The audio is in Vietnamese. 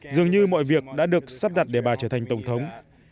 dường như mọi việc đã được sắp đặt để bà trở thành tổng thống